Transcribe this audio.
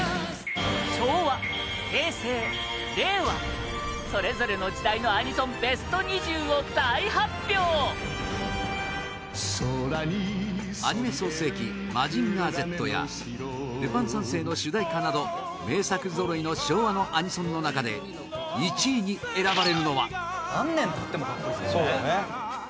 昭和、平成、令和それぞれの時代のアニソン、ベスト２０を大発表アニメ創成期『マジンガーＺ』や『ルパン三世』の主題歌など名作ぞろいの昭和のアニソンの中で１位に選ばれるのは宮田：何年経っても格好いいですもんね。